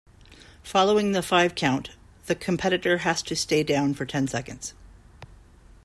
Following the five-count, the competitor has to stay down for ten seconds.